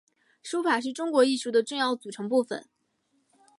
书法是中国艺术的重要组成部份。